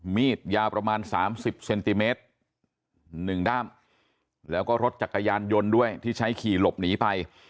มีดยาวประมาณ๓๐เซนติเมตร๑ด้ามแล้วก็รถจักรยานยนต์ด้วยที่ใช้ขี่หลบหนีไป